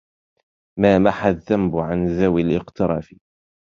ما محا الذنب عن ذوي الاقتراف